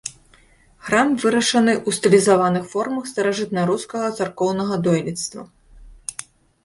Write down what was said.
Храм вырашаны ў стылізаваных формах старажытнарускага царкоўнага дойлідства.